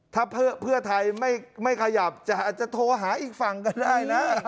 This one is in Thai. ถ้าเพื่อไทยไม่ขยับอาจจะโทรหาอีกฝั่งก็ได้นะ